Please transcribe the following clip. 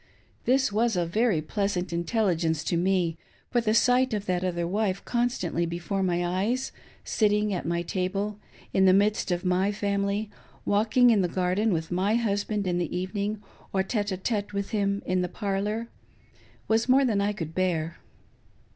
This was very pleasant intelligence to me ; for the sight of that other wife constantly before my eyes — sitting at my table, in the midst of my family, walking in the garden with my husband in the evening, or iiie d iSte with him in the parlor : was more than I could bear.